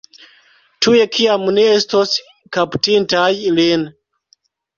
Tuj kiam ni estos kaptintaj lin.